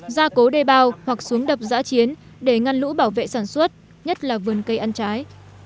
gia cố đê bao hoặc xuống đập giã chiến để ngăn lũ bảo vệ sản xuất nhất là vườn cây ăn trái